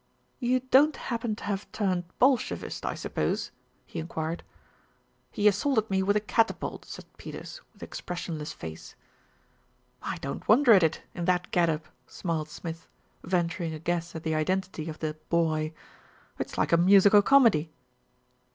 "You don't happen to have turned Bolshevist, I suppose?" he enquired. "He assaulted me with a catapult," said Peters with expressionless face. "I don't wonder at it, in that get up," smiled Smith, venturing a guess at the identity of the "boy." "It's like a musical comedy."